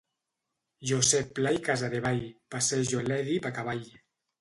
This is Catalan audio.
Josep Pla i Casadevall: “Passejo l'Èdip a cavall”.